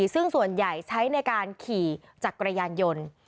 ซึ่งส่วนใหญ่ใช้ในการขี่จักรยานยนต์